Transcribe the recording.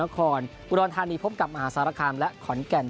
หน้าขอนอุดรทางนี้พบกับาสาหาการและ